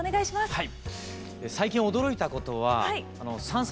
はい。